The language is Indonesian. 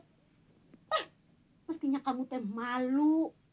wah mestinya kamu tem malu